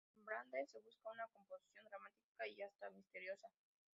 En Rembrandt se busca una composición dramática y hasta misteriosa.